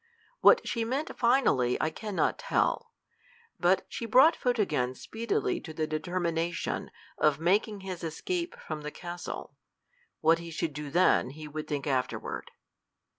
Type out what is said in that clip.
What she meant finally I can not tell, but she brought Photogen speedily to the determination of making his escape from the castle: what he should do then he would think afterward.